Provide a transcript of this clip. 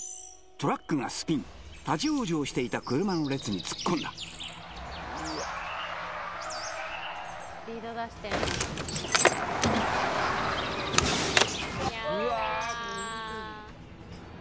トラックがスピン立ち往生していた車の列に突っ込んだ・Ｏｈ！